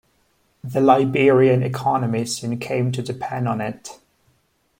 The Liberian economy soon came to depend on it.